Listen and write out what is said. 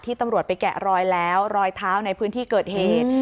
ตำรวจไปแกะรอยแล้วรอยเท้าในพื้นที่เกิดเหตุ